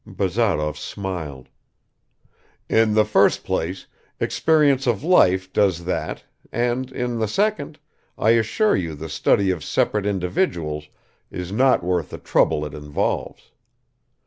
Bazarov smiled. "In the first place, experience of life does that, and in the second, I assure you the study of separate individuals is not worth the trouble it involves.